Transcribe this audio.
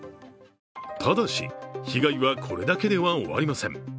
ただし、被害はこれだけでは終わりません。